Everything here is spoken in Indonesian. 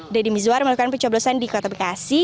dedy mizuar melakukan pencoblosan di kota bekasi